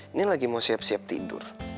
ini lagi mau siap siap tidur